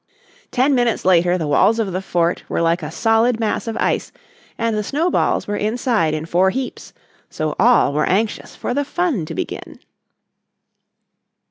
Ten minutes later the walls of the fort were like a solid mass of ice, and the snowballs were inside in four heaps so all were anxious for the fun to begin.